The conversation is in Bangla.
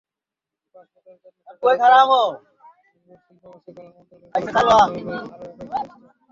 পাসপোর্টের জন্য তাদের ওপর নির্ভরশীল প্রবাসীকল্যাণ মন্ত্রণালয়, পররাষ্ট্র মন্ত্রণালয়সহ আরও কয়েকটি প্রতিষ্ঠান।